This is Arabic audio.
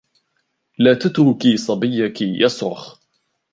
لا تتركي صبيك يصرخ.